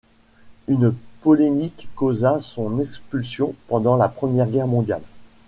Une polémique causa son expulsion pendant la Première Guerre mondiale.